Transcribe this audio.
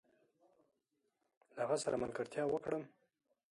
له هغه سره ملګرتيا وکړم؟